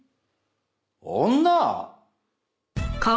女！？